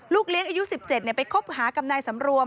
เลี้ยงอายุ๑๗ไปคบหากับนายสำรวม